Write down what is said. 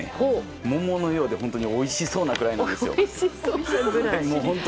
桃のようでおいしそうなくらいなんですよ。